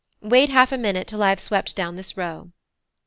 Wait half a minute till I have swept down this row."